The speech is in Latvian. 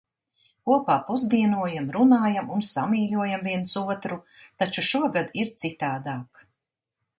Kopā pusdienojam, runājam un samīļojam viens otru. Taču šogad ir citādāk.